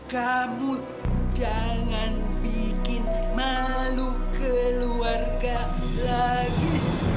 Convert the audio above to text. kamu jangan bikin malu keluarga lagi